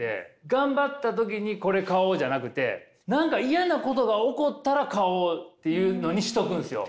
頑張った時にこれ買おうじゃなくて何か嫌なことが起こったら買おうっていうのにしとくんですよ。